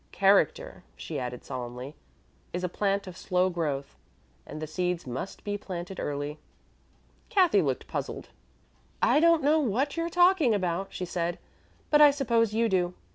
Character," she added solemnly, "is a plant of slow growth, and the seeds must be planted early." Cathy looked puzzled. "I don't know what you're talking about," she said, "but I suppose you do.